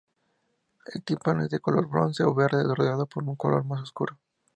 El tímpano es de color bronce o verde rodeado por un color más oscuro.